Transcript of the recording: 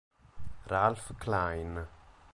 Ralph Klein